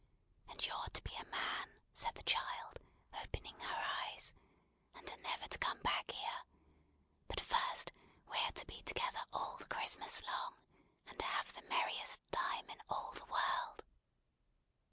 And you're to be a man!" said the child, opening her eyes, "and are never to come back here; but first, we're to be together all the Christmas long, and have the merriest time in all the world."